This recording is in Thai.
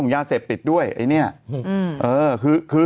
เขาอย่างเสร็จตัดด้วยไอเนี่ยคือ